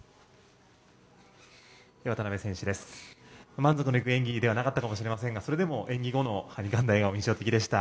満足のいく演技ではなかったかもしれませんがそれでも演技後のはにかんだ笑顔印象的でした。